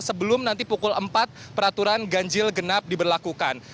sebelum nanti pukul empat peraturan ganjil genap diberlakukan